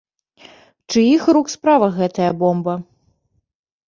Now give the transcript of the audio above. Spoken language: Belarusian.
Чыіх рук справа гэтая бомба?